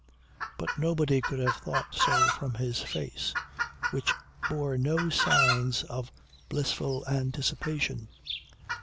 But nobody could have thought so from his face, which bore no signs of blissful anticipation.